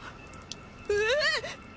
えっ！？